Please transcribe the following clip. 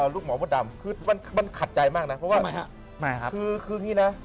ลูกหมอบ้าดำคือมันขัดใจมากนะเพราะว่าคือคืนี้นะ